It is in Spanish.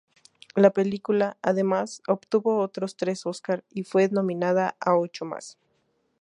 La película, además obtuvo otros tres Oscar, y fue nominada a ocho más.